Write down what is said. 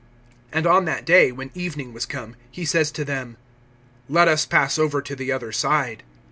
(35)And on that day, when evening was come, he says to them: Let us pass over to the other side.